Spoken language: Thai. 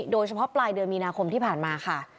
โดยเฉพาะปลายเดือนมีนาคมที่ผ่านมาค่ะ